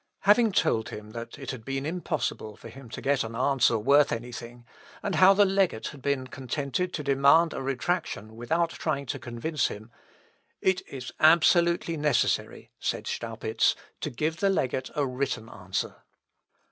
Having told him that it had been impossible for him to get an answer worth any thing, and how the legate had been contented to demand a retractation without trying to convince him "It is absolutely necessary," said Staupitz, "to give the legate a written answer."